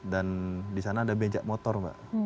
dan disana ada becak motor mbak